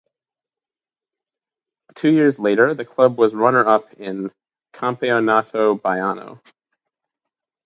Two years later, the club was runner-up in Campeonato Baiano.